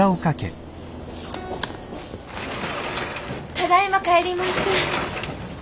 ただいま帰りました。